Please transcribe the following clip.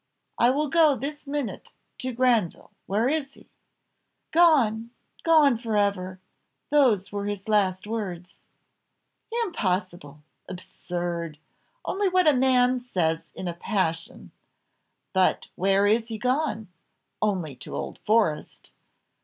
I will go this minute to Granville. Where is he?" "Gone! Gone for ever! Those were his last words." "Impossible! absurd! Only what a man says in a passion. But where is he gone? Only to Old Forest!